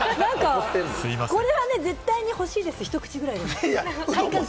これは絶対に欲しいです、一口ぐらいでも。